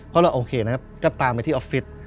ก็เลยโอเคนะก็ตามไปที่ออฟฟิศ